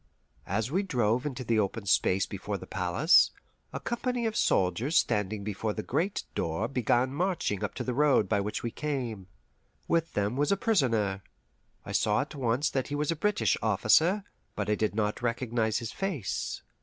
As we drove into the open space before the palace, a company of soldiers standing before the great door began marching up to the road by which we came. With them was a prisoner. I saw at once that he was a British officer, but I did not recognize his face.